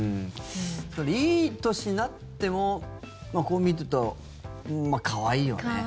いい年なってもこう見ると、可愛いよね。